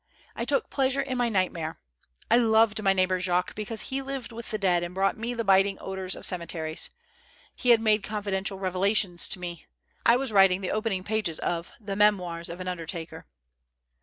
I took pleasure in my night mare ; I loved my neighbor Jacques because he lived with the dead and brought me the biting odors of cem eteries. He had made confidential revelations to me. I was writing the opening pages of " The Memoirs of an Undertaker."